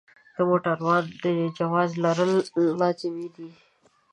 د موټروان د جواز لرل لازمي دي.